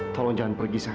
tolong jangan pergi sayang